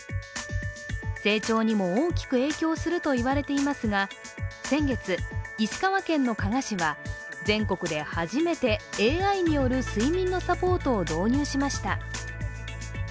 成長にも大きく影響するといわれていますが先月、石川県の加賀市は全国で初めてＡＩによる睡眠のサポートを導入しました。